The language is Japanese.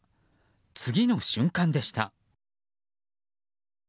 次の瞬間でした。